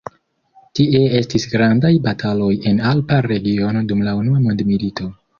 Tie estis grandaj bataloj en alpa regiono dum la unua mondmilito.